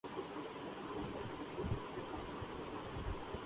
نہ تو میں تنوشری دتہ ہوں اور نہ ہی میرا نام نانا پاٹیکر ہے